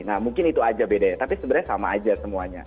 nah mungkin itu aja bedanya tapi sebenarnya sama aja semuanya